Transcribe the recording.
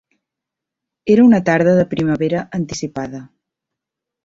Era una tarda de primavera anticipada.